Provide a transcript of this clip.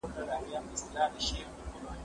هغه څوک چي سبزېجات وچوي روغ وي.